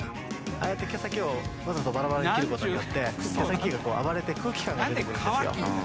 「ああやって毛先をわざとばらばらに切ることによって毛先が暴れて空気感が出てくるんですよ」